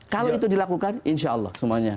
kalau itu dilakukan insya allah semuanya